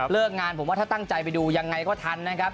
งานผมว่าถ้าตั้งใจไปดูยังไงก็ทันนะครับ